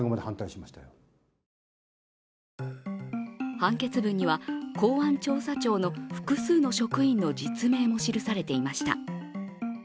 判決文には公安調査庁の複数の職員の実名も記されていました。